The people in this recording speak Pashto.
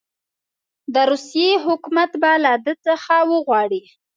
د روسیې حکومت به له ده څخه وغواړي.